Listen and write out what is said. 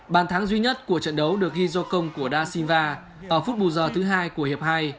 bàn thắng duy nhất của trận đấu được ghi do công của da silva ở phút bù giờ thứ hai của hiệp hai